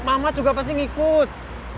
mamat juga pasti ngikut